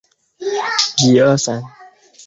罗马统治时期塞浦路斯经济十分繁荣。